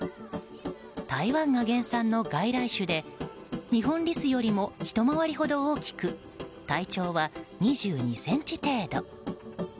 台湾が原産の外来種でニホンリスよりもひとまわりほど大きく体長は２２ｃｍ程度。